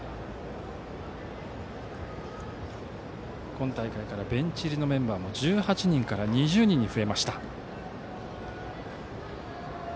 今大会からベンチ入りメンバーも１８人から２０人に増えました。